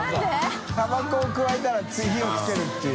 織丱海くわえたら次火をつけるっていう。